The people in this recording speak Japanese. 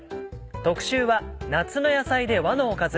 特集は「夏の野菜で和のおかず」。